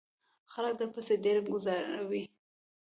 خلک درپسې ډیری گوزاروي.